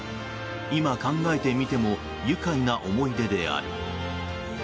今考えてみても愉快な思い出である。